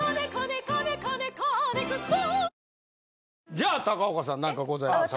じゃあ高岡さん何かございますか？